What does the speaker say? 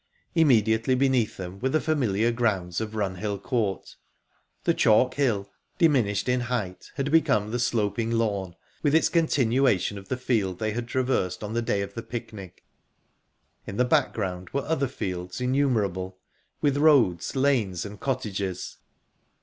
Immediately beneath them were the familiar grounds of Runhill Court; the chalk hill, diminished in height, had become the sloping lawn, with its continuation of the field they had traversed on the day of the picnic; in the background were other fields innumerable, with roads, lanes, and cottages.